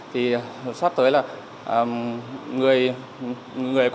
thì sắp tới là người